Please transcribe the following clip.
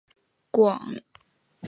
广东丙子乡试。